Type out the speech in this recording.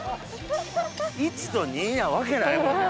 「１」と「２」なわけないもん。